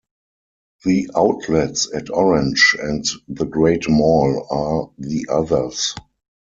The Outlets at Orange, and The Great Mall are the others.